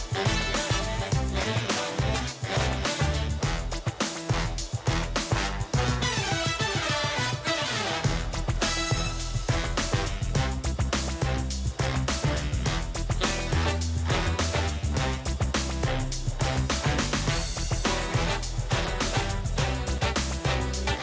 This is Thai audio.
โปรดติดตามตอนต่อไป